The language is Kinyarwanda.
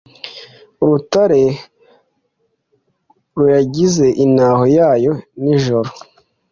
urutare yarugize intaho yayo nijoro